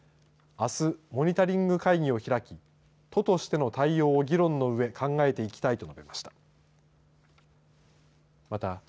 あす、モニタリング会議を開き都としての対応を議論のうえ考えていきたいと述べました。